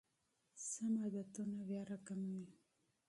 سم عادتونه خطر کموي.